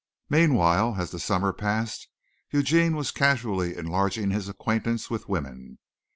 Meanwhile, as the summer passed, Eugene was casually enlarging his acquaintance with women.